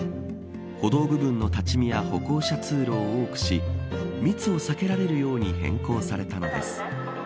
歩道部分の立ち見や歩行者通路を多くし密を避けられるように変更されたのです。